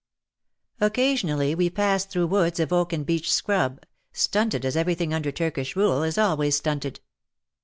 Oc casionally we passed through woods of oak and beech scrub, stunted, as everything under Turkish rule is always stunted.